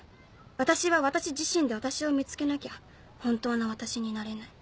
私は私自身で私を見つけなきゃ本当の私になれない。